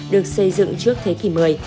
được xây dựng trước thế kỷ một mươi